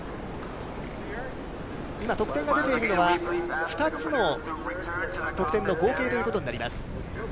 今、得点が出ているのは、２つの得点の合計ということになります。